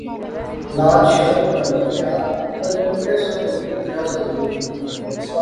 لاج، شرم، تعلق، پیار، اللہ جانے کہہ سا مگی کی تھیا سا ضرور